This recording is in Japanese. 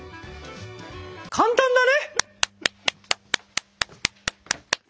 簡単だね！